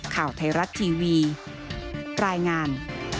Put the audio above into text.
ข่าวไทยรัฐทีวีรายงาน